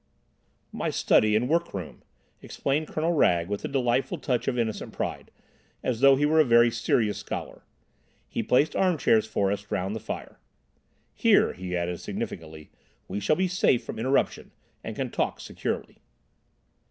"My study and workroom," explained Colonel Wragge, with a delightful touch of innocent pride, as though he were a very serious scholar. He placed arm chairs for us round the fire. "Here," he added significantly, "we shall be safe from interruption and can talk securely."